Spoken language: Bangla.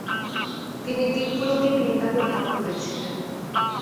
তিনি দ্বীপগুলোকে তিন ভাগে ভাগ করেছিলেন।